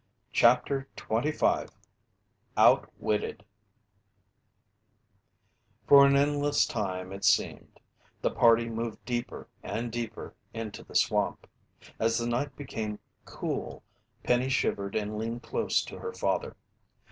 CHAPTER 25 OUTWITTED For an endless time, it seemed, the party moved deeper and deeper into the swamp. As the night became cool, Penny shivered and leaned close to her father.